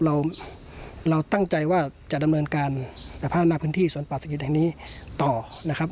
เราเราตั้งใจว่าจะดำเนินการพัฒนาพื้นที่สวนป่าสะกิดแห่งนี้ต่อนะครับ